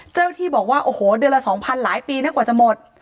เจ้าที่บอกว่าโอ้โหเดือนละ๒๐๐หลายปีนะกว่าจะหมด